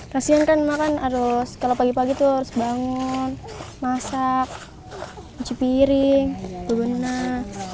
kasian kan emak kan harus kalau pagi pagi tuh harus bangun masak nyuci piring berbunah